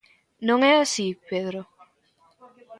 Non é así, Pedro?